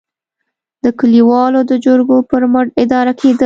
د کلیوالو د جرګو پر مټ اداره کېدل.